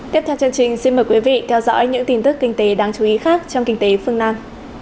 tiếp theo chương trình xin mời quý vị theo dõi những tin tức kinh tế đáng chú ý khác trong kinh tế phương nam